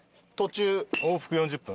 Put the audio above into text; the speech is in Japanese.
往復４０分？